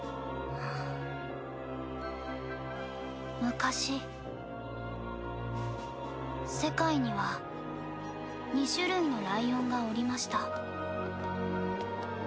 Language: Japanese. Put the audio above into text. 昔世界には２種類のライオンがおりました。